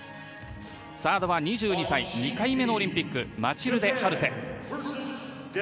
サードは２２歳２回目のオリンピックマチルデ・ハルセ。